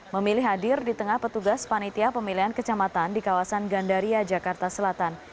memilih hadir di tengah petugas panitia pemilihan kecamatan di kawasan gandaria jakarta selatan